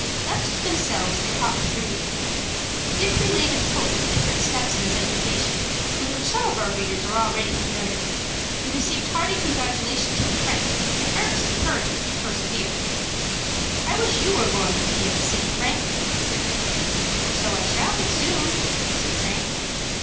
Left to themselves, they talked freely. Dick related fully the different steps in his education, with which some of our readers are already familiar, and received hearty congratulations from Frank, and earnest encouragement to persevere. "I wish you were going to be in the city, Frank," said Dick. "So I shall be soon," said Frank.